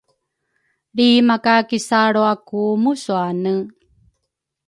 lri maka kisaalrua ku musuane?